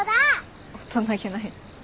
大人げない。